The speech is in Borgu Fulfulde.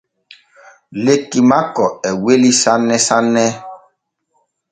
Lekki makko e weli sanne sanne.